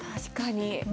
確かに。